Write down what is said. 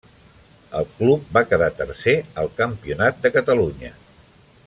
El club va quedar tercer al Campionat de Catalunya.